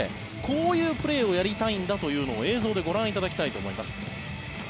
こういうプレーをやりたいんだというのを映像でご覧いただきたいと思います。